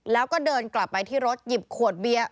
แล้วก็เดินกลับไปที่รถหยิบขวดเบียร์